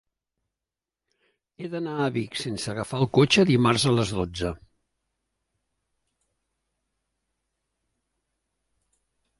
He d'anar a Vic sense agafar el cotxe dimarts a les dotze.